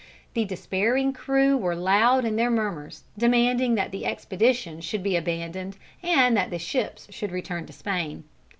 The despairing crew were loud in their murmurs, demanding that the expedition should be abandoned and that the ships should return to Spain.